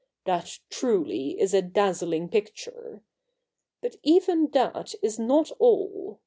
That truly is a dazzling picture. But even that is not all.